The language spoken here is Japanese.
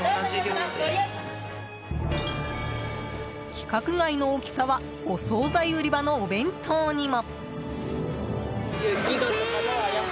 規格外の大きさはお総菜売り場のお弁当にも。